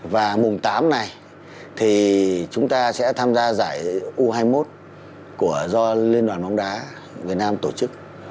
và mùng tám này thì chúng ta sẽ tham gia giải u hai mươi một do liên đoàn bóng đá việt nam tổ chức